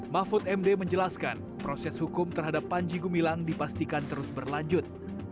mahfud md menjelaskan proses hukum terhadap panji gumilang dipastikan terus berlanjut